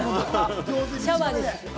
シャワーです。